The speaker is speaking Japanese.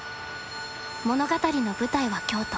物語の舞台は京都。